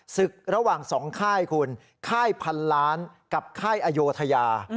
ศึกระหว่าง๒ค่ายคุณค่ายพันล้านกับค่ายอโยธยา